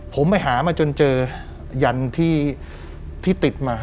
ผมไปหามาจนเจอยันที่ติดมา